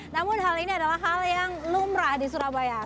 namun hal ini adalah hal yang lumrah di surabaya